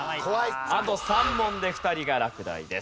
あと３問で２人が落第です。